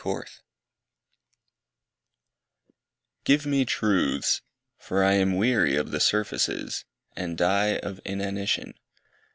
BLIGHT Give me truths; For I am weary of the surfaces, And die of inanition.